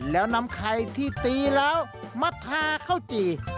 แล้วนำไข่ที่ตีแล้วมาทาข้าวจี่